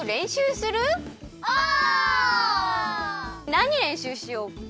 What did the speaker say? なにれんしゅうしよっか？